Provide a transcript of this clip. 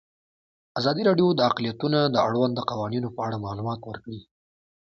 ازادي راډیو د اقلیتونه د اړونده قوانینو په اړه معلومات ورکړي.